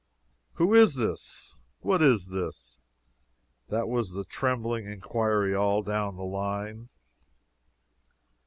"Who is this? What is this?" That was the trembling inquiry all down the line.